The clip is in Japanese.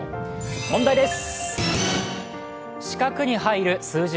問題です。